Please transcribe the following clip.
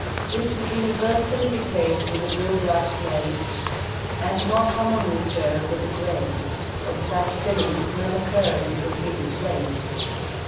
This is universally the case with the blue black slates, and more commonly so with the gray ; but such fillings do not occur in the graphitic slates.